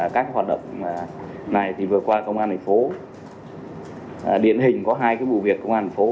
các hoạt động này thì vừa qua công an thành phố điện hình có hai vụ việc công an thành phố